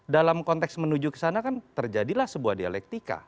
dalam konteks menuju kesana kan terjadilah sebuah dialektika